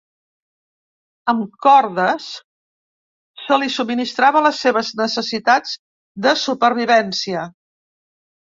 Amb cordes, se li subministrava les seves necessitats de supervivència.